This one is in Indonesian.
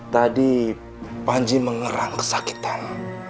tadi panji mengerang kesakitan